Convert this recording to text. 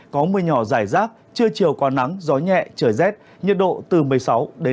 có mưa nhỏ dài rác trưa chiều có nắng gió nhẹ trời rét nhật độ từ một mươi sáu hai mươi ba độ